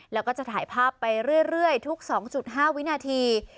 แล้วก็จะถ่ายภาพไปเรื่อยทุก๒๕วินาที